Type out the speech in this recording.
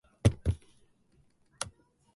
隊員達は記録でしかこの町のことを知らなかった。